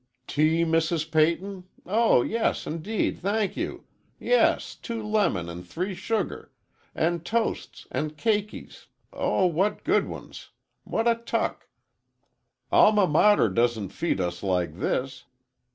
"Tea, Mrs. Peyton? Oh, yes, indeed, thank you. Yes, two lemon and three sugar. And toasts,—and cakies,—oh, what good ones! What a tuck! Alma Mater doesn't feed us like this!